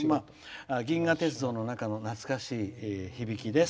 銀河鉄道の中の懐かしい響きです。